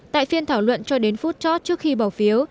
tại phiên thảo luận cho đến phút chót trước khi bỏ phiếu